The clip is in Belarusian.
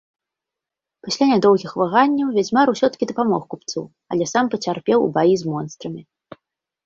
Пасля нядоўгіх ваганняў вядзьмар усё-ткі дапамог купцу, але сам пацярпеў у баі з монстрамі.